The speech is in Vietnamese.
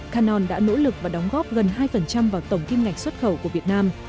canon đã nỗ lực và đóng góp gần hai vào tổng kim ngạch xuất khẩu của việt nam